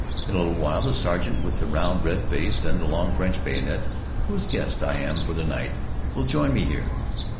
In a little while the sergeant with the round red face and the long French bayonet, whose guest I am for the night, will join me here.